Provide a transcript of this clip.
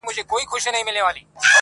خو دننه ماته ده